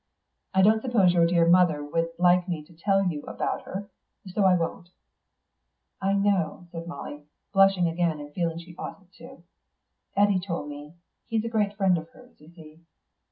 I don't suppose your dear mother would like me to tell you about her, so I won't." "I know," said Molly, blushing again and feeling she oughtn't to. "Eddy told me. He's a great friend of hers, you see."